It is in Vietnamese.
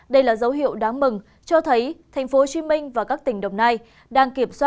đây là dấu hiệu đáng mừng cho thấy tp hcm và các tỉnh đồng nai đang kiểm soát